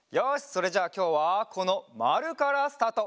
それじゃあきょうはこのまるからスタート！